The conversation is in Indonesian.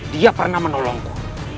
dia pernah menolongku